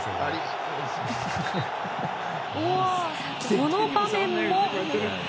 この場面も。